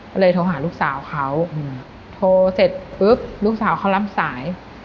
ก็เลยโทรหาลูกสาวเขาโทรเสร็จปุ๊บลูกสาวเขารับสาย